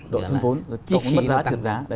đội thương vốn cộng mất giá trượt giá